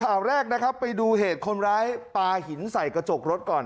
ข่าวแรกนะครับไปดูเหตุคนร้ายปลาหินใส่กระจกรถก่อน